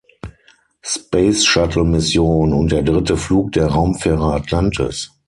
Space-Shuttle-Mission und der dritte Flug der Raumfähre Atlantis.